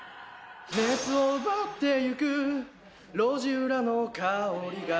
熱を奪っていく路地裏の香りが